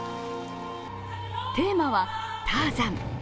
テーマはターザン。